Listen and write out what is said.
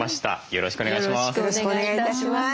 よろしくお願いします。